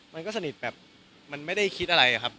มันก็สนิทแบบมันไม่ได้คิดอะไรครับ